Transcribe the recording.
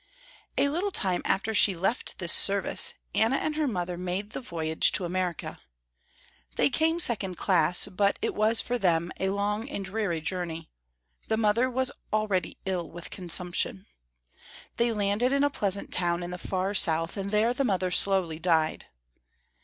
A little time after she left this service, Anna and her mother made the voyage to America. They came second class, but it was for them a long and dreary journey. The mother was already ill with consumption. They landed in a pleasant town in the far South and there the mother slowly died.